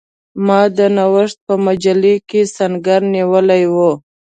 ما د نوښت په مجله کې سنګر نیولی وو.